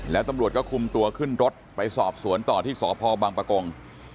แล้วตำรวจก็คุมตัวขึ้นรถไปสอบสวนต่อที่สพบังปะกง